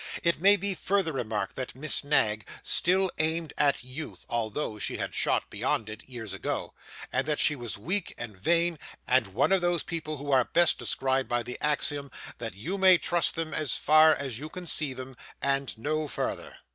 It may be further remarked, that Miss Knag still aimed at youth, although she had shot beyond it, years ago; and that she was weak and vain, and one of those people who are best described by the axiom, that you may trust them as far as you can see them, and no farther.